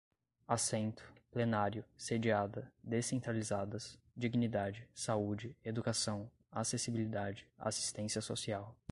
assento, plenário, sediada, descentralizadas, dignidade, saúde, educação, acessibilidade, assistência social